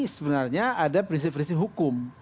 sebenarnya ada prinsip prinsip hukum